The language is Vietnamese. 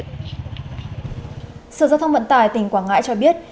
sở giao thông vận tải tỉnh quảng ngãi cho biết